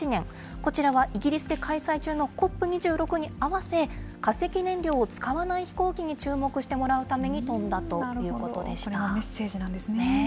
こちらはイギリスで開催中のＣＯＰ２６に合わせ、化石燃料を使わない飛行機に注目してもらうために飛んだということでした。